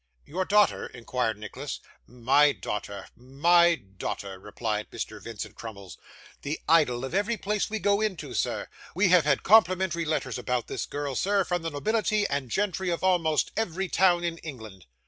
'Your daughter?' inquired Nicholas. 'My daughter my daughter,' replied Mr. Vincent Crummles; 'the idol of every place we go into, sir. We have had complimentary letters about this girl, sir, from the nobility and gentry of almost every town in England.